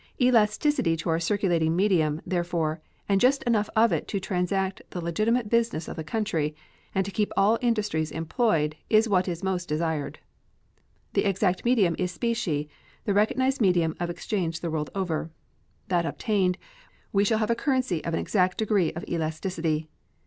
Elasticity to our circulating medium, therefore, and just enough of it to transact the legitimate business of the country and to keep all industries employed, is what is most to be desired. The exact medium is specie, the recognized medium of exchange the world over. That obtained, we shall have a currency of an exact degree of elasticity.